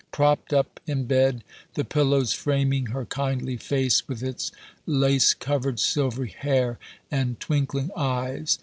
Propped up in bed, the pillows framing her kindly face with its lace covered silvery hair, and twinkling eyes.